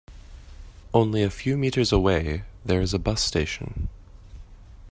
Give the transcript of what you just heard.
Only a few meters away there is a bus station.